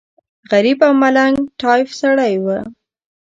غریب او ملنګ ټایف سړی و.